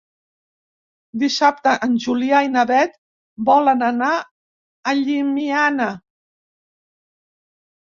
Dissabte en Julià i na Beth volen anar a Llimiana.